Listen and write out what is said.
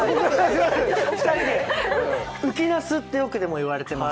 うきなすってよく言われてます。